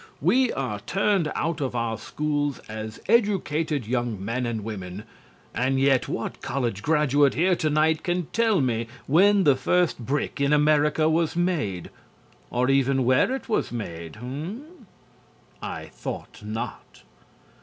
We are turned out of our schools as educated young men and women, and yet what college graduate here tonight can tell me when the first brick in America was made? Or even where it was made?... I thought not.